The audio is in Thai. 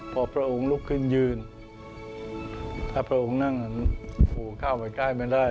พอพระองค์ลุกขึ้นยืนถ้าพระองค์นั่งหูเข้าไปใกล้ไม่ได้